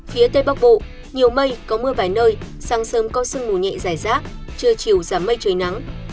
phía tây bắc bộ nhiều mây có mưa vài nơi sáng sớm có sương mù nhẹ dài rác trưa chiều giảm mây trời nắng